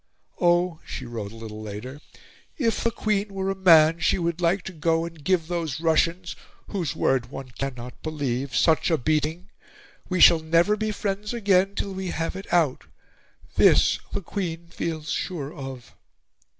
"Oh," she wrote a little later, "if the Queen were a man, she would like to go and give those Russians, whose word one cannot believe, such a beating! We shall never be friends again till we have it out. This the Queen feels sure of."